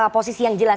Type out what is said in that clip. posisi yang jelas